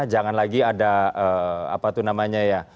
jangan lagi ada apa tuh namanya ya